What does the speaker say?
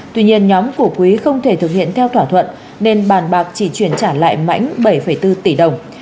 tuy nhiên nhóm của quý không thể thực hiện theo thỏa thuận nên bàn bạc chỉ chuyển trả lại mãnh bảy bốn tỷ đồng